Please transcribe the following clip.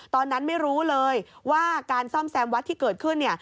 ตอนนั้นไม่รู้เลยว่าการซ่อมแซมวัดที่เกิดขึ้นเนี่ย